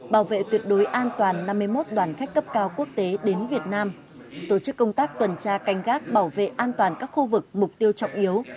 bảo vệ tuyệt đối an toàn năm mươi một đoàn khách cấp cao quốc tế đến việt nam tổ chức công tác tuần tra canh gác bảo vệ an toàn các khu vực mục tiêu trọng yếu